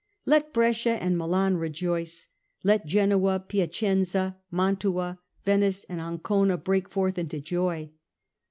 Let Brescia and Milan rejoice ; let Genoa, Piacenza and Mantua, Venice and Ancona break forth into joy.